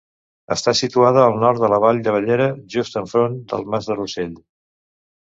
Està situada al nord de la Vall de Bellera, just enfront del Mas de Rossell.